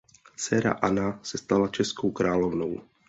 Dcera Anna se stala českou královnou.